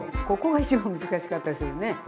ここが一番難しかったりするね。